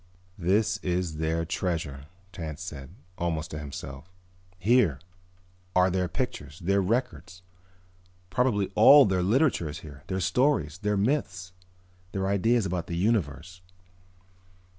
"This is their treasure," Tance said, almost to himself. "Here are their pictures, their records. Probably all their literature is here, their stories, their myths, their ideas about the universe."